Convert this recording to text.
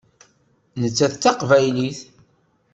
Nettat d Taqbaylit.